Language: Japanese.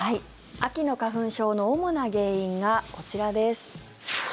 秋の花粉症の主な原因がこちらです。